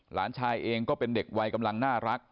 หลานชายเองก็เป็นเด็กวัยกำลังน่ารัก